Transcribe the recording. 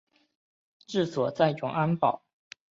治所在永安堡。